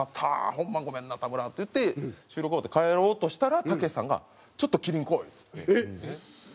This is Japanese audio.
ホンマごめんな田村」って言って収録終わって帰ろうとしたらたけしさんが「ちょっと麒麟来い！」って。えっ！